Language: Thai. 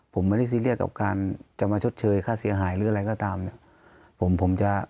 ผมไม่ได้ซีเรียสกับการจะมาชดเชยค่าเสียหายหรืออะไรก็ตามเนี่ยผมผมจะ